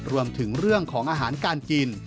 รวมถึงเรื่องของอาหารการกิน